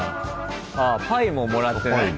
ああパイももらってね。